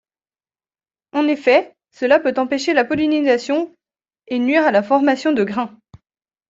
En effet cela peut empêcher la pollinisation et nuire à la formation des grains.